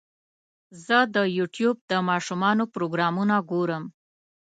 زه د یوټیوب د ماشومانو پروګرامونه ګورم.